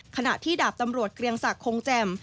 ขณะที่ดาบตำรวจเกรียงศักดิ์คงแจ่ม